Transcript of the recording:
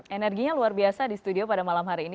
energinya luar biasa di studio pada malam hari ini